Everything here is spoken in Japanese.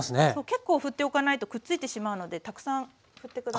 結構ふっておかないとくっついてしまうのでたくさんふって下さいね。